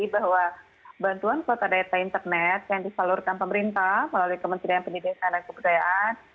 bahwa bantuan kuota data internet yang disalurkan pemerintah melalui kementerian pendidikan dan kebudayaan